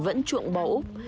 vẫn chuộng bẫu